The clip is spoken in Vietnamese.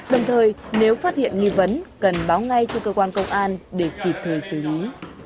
đồng thời nếu phát hiện nghi vấn cần báo ngay cho cơ quan công an để kịp thời xử lý